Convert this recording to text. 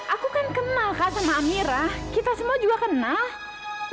aku kan kenal kan sama amirah kita semua juga kenal